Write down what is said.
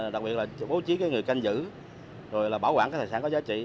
đặc biệt là bố trí người canh giữ bảo quản tài sản có giá trị